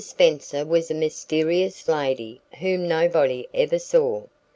Spenser was a mysterious lady whom nobody ever saw.